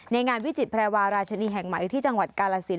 งานวิจิตแพรวาราชนีแห่งใหม่อยู่ที่จังหวัดกาลสิน